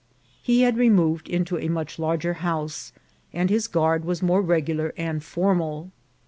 He had removed into a much larger house, and his guard was more regular and for mal.